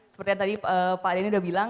seperti yang tadi pak denny udah bilang